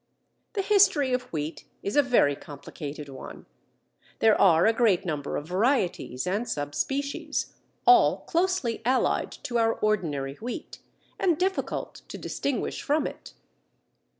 The history of Wheat is a very complicated one; there are a great number of varieties and sub species, all closely allied to our ordinary wheat, and difficult to distinguish from it.